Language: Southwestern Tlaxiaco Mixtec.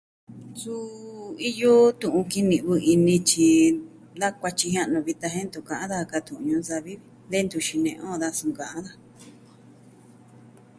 Su iyo tu'un kini'vɨ ini, tyi da kuatyi jia'nu vitan jen ntu ka'an daja ka tu'un ñuu savi. De ntu xine'en on daja su nka'an daja.